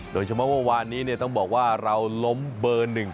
โดยช่วงเมื่อวานนี้ก็ต้องบอกว่าเราล้มเบอร์นึง